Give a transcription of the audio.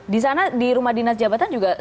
di sana di rumah dinas jabatan juga